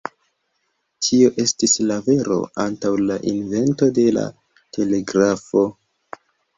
Tio estis la vero antaŭ la invento de la telegrafo.